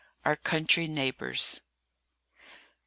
OUR COUNTRY NEIGHBOURS.